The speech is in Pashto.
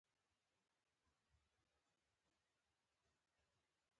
زه د شګو نرمه سطحه خوښوم.